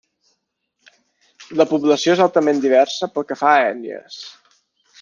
La població és altament diversa pel que fa a ètnies.